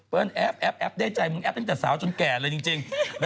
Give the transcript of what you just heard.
แอฟแอฟได้ใจมึงแป๊บตั้งแต่สาวจนแก่เลยจริง